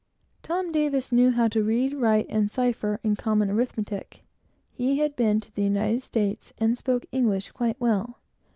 Tom Davis knew how to read, write, and cipher in common arithmetic; had been to the United States, and spoke English quite well.